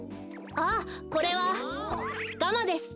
ああこれはガマです。